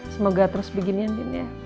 semoga terus begini andin ya